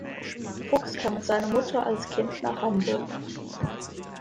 Fuchs kam mit seiner Mutter als Kind nach Hamburg.